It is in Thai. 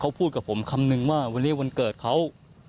เขาพูดกับผมคำนึงว่าวันนี้วันเกิดเขา